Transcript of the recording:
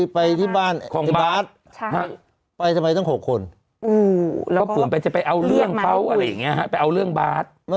ไปที่บ้านของบาร์ส